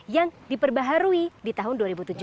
yang diperbaharui di tahun dua ribu tujuh belas